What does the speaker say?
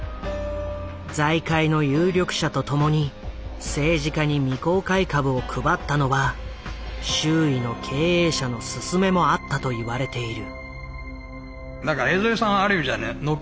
財界の有力者と共に政治家に未公開株を配ったのは周囲の経営者のすすめもあったと言われている。